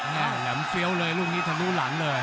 แหลมเฟี้ยวเลยลูกนี้ทะลุหลังเลย